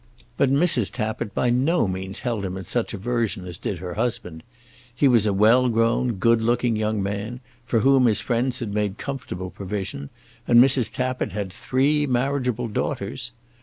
But Mrs. Tappitt by no means held him in such aversion as did her husband. He was a well grown, good looking young man for whom his friends had made comfortable provision, and Mrs. Tappitt had three marriageable daughters.